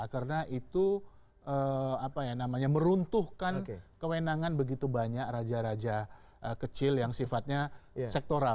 karena itu meruntuhkan kewenangan begitu banyak raja raja kecil yang sifatnya sektoral